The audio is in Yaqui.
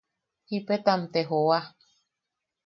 Jipetam te joa.